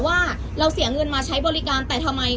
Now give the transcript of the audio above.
ว่าเราเสียเงินมาใช้บริการแต่ทำไม